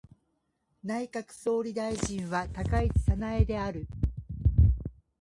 内閣総理大臣は高市早苗である。